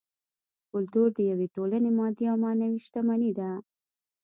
کولتور د یوې ټولنې مادي او معنوي شتمني ده